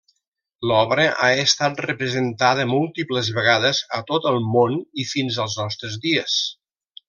L'obra ha estat representada múltiples vegades a tot el món i fins als nostres dies.